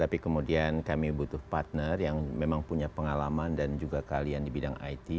tapi kemudian kami butuh partner yang memang punya pengalaman dan juga kalian di bidang it